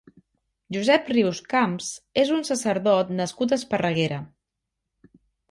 Josep Rius-Camps és un sacerdot nascut a Esparreguera.